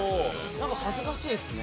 何か恥ずかしいですね。